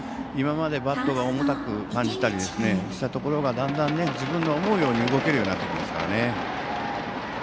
今までバットが重たく感じたりしたところがだんだん自分の思うように動けるようになってきますからね。